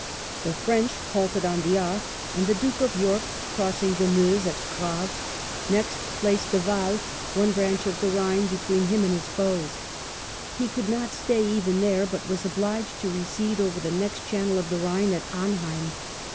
The French halted on the Aa, and the Duke of York, crossing the Meuse at Grave, next placed the Waal, one branch of the Ehine, between him and his foes. He could not stay even there, but was obliged to recede over the next channel of the Ehine at Amheim.